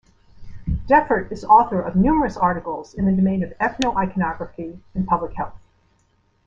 Defert is author of numerous articles in the domain of ethno-iconography and public health.